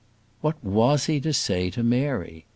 What was he to say to Mary?